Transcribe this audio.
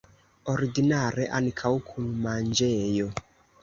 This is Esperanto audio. Ordinare ankaŭ kun manĝejo.